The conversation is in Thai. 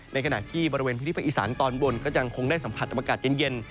ในขณะที่บริเวณพื้นที่ภาคอีสานตอนบนก็ยังคงได้สัมผัสอากาศเย็น